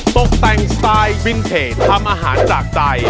ตกแต่งสไตล์วินเทจทำอาหารจากใจ